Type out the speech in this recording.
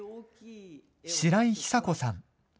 白井久子さん。